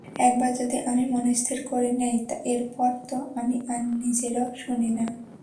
একবার যদি আমি মনস্থির করে নেই, এরপর তো আমি আর নিজেরও শুনি না।